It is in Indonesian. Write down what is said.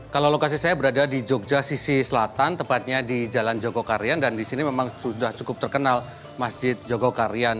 kalau lokasi saya berada di jogja sisi selatan tepatnya di jalan jogokarian dan di sini memang sudah cukup terkenal masjid jogokarian